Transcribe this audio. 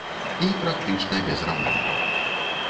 І практычна без рамонту.